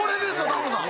タモさん